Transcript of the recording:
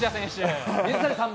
水谷さんも。